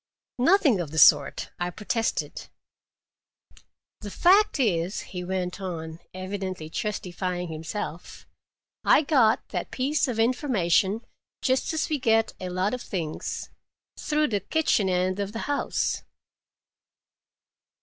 "Nothing of the sort," I protested. "The fact is," he went on, evidently justifying him self, "I got that piece of information just as we get a lot of things, through the kitchen end of the house.